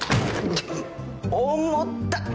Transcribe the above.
重たっ！